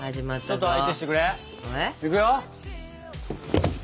ちょっと相手してくれ。いくよ。